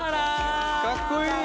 かっこいい。